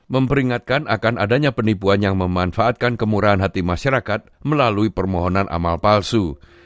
memperingatkan akan adanya penipuan yang memanfaatkan kemurahan hati masyarakat melalui permohonan amal palsu